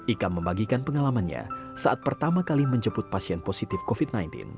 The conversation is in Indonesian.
ika membagikan pengalamannya saat pertama kali menjemput pasien positif covid sembilan belas